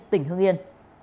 tỉnh hương yên